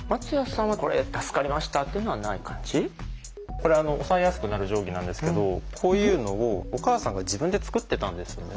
これ押さえやすくなる定規なんですけどこういうのをお母さんが自分で作ってたんですよね。